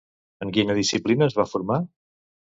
En quina disciplina es va formar?